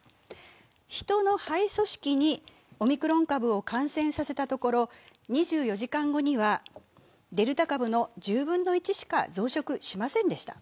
ヒトの肺組織にオミクロン株を感染させたところ、２４時間後にはデルタ株の１０分の１しか増殖しませんでした。